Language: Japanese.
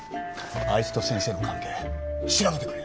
あいつと先生の関係調べてくれ。